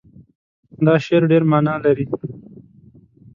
دا شعر ډېر معنا لري.